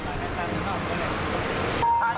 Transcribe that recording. ก็ยังมีปัญหาราคาเข้าเปลือกก็ยังลดต่ำลง